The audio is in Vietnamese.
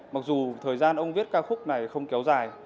mặc dù thời gian ông viết ca khúc này không kéo dài